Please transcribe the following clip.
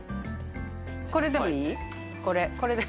これでもいい？